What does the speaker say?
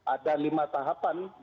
ada lima tahapan